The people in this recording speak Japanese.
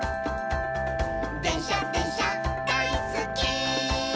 「でんしゃでんしゃだいすっき」